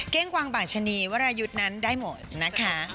กวางบางชะนีวรายุทธ์นั้นได้หมดนะคะ